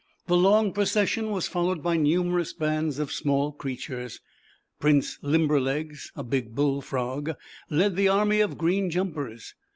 The long Procession was followed by numerous bands of small creatures. Prince Limberlegs, a big Bull Frog, led the army of Green lumpers.